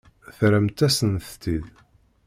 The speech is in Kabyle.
Terramt-asent-tt-id.